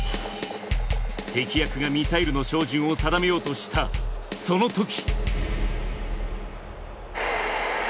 敵役がミサイルの照準を定めようとしたそのとき。